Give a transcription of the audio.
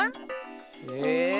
え。